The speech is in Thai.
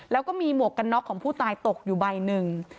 แล้วก็มีหมวกกันน็อกของผู้ตายตกอยู่ใบหนึ่ง